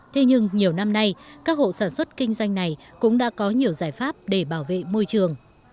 thế nhưng nhiều năm nay các hộ sản xuất kinh doanh này cũng đã có nhiều giải pháp để bảo vệ môi trường